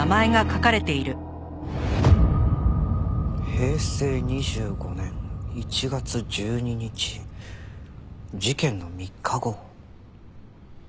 「平成２５年１月１２日」事件の３日後。